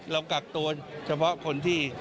เรากากตัวเฉพาะคนที่ติดชื่อ